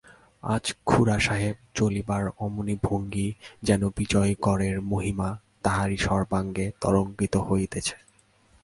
আজ খুড়াসাহেবের চলিবার এমনি ভঙ্গি, যেন বিজয়গড়ের মহিমা তাঁহারই সর্বাঙ্গে তরঙ্গিত হইতেছে।